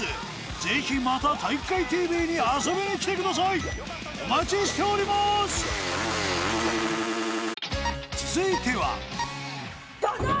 是非また体育会ＴＶに遊びに来てくださいお待ちしております続いてはドドーン！